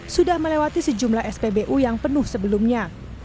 sudah melewati sejumlah spbu yang penuh sebelumnya